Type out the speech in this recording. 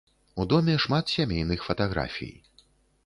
У доме шмат сямейных фатаграфій.